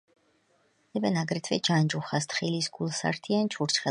გურულები ამზადებენ აგრეთვე ჯანჯუხას — თხილისგულსართიან ჩურჩხელას.